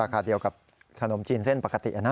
คาเดียวกับขนมจีนเส้นปกตินะ